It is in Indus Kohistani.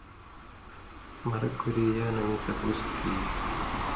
مرک گُھری یا نہ مِیں تپُوس کیریۡ